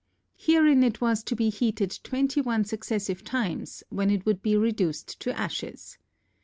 Herein it was to be heated twenty one successive times, when it would be reduced to ashes.